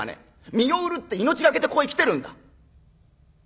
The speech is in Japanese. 身を売るって命懸けでここへ来てるんだ。